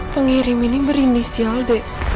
pengirim ini berinisial d